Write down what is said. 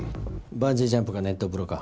バンジージャンプか熱湯風呂か。